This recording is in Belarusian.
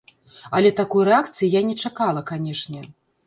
Але такой рэакцыі я не чакала, канечне.